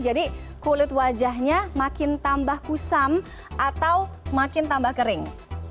jadi kulit wajahnya makin tambah kusam atau makin tambah kering